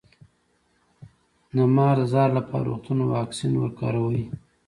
د مار د زهر لپاره د روغتون واکسین وکاروئ